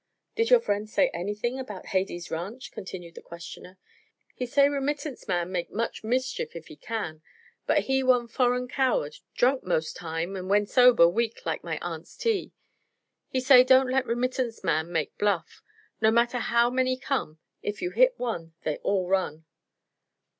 "Did your friend say anything about Hades Ranch?" continued the questioner. "He say remittance man make much mischief if he can; but he one foreign coward, drunk most time an' when sober weak like my aunt's tea. He say don't let remittance man make bluff. No matter how many come, if you hit one they all run."